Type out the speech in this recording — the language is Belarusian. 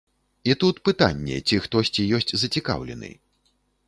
І тут пытанне, ці хтосьці ёсць зацікаўлены.